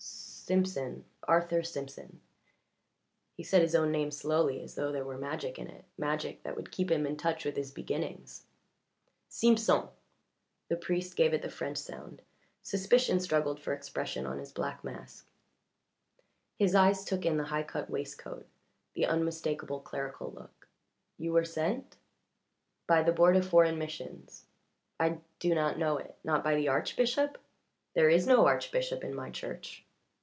"Simpson Arthur Simpson." He said his own name slowly as thought there was magic in it, magic that would keep him in touch with his beginnings. "Simpson?" The priest gave it the French sound; suspicion struggled for expression on his black mask; his eyes took in the high cut waistcoat, the unmistakable clerical look. "You were sent?" "By the board of foreign missions." "I do not know it. Not by the archbishop?" "There is no archbishop in my Church."